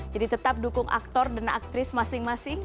jadi tetap dukung aktor dan aktris masing masing